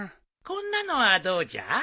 こんなのはどうじゃ？